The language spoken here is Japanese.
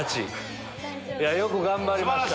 よく頑張りました。